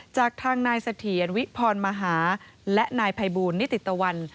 จากทางนายสถียรวิภรมฮาและนายพายบูรณ์นิติตวัน